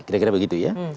kira kira begitu ya